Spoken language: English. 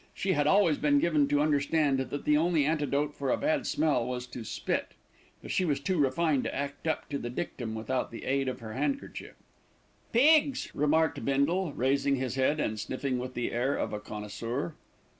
She had always been given to understand that the only antidote for a bad smell was to spit; but she was too refined to act up to the dictum without the aid of her handkerchief. "Pigs!" remarked Bindle, raising his head and sniffing with the air of a connoisseur.